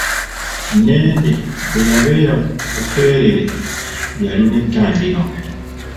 Nnende bwe yabeera ku Bukeerere yalina ettambiro.